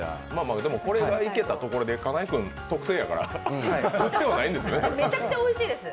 これがいけたところでカナイ君特製やから売ってはいないんですよね。